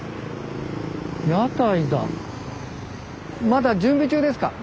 まだ準備中ですか？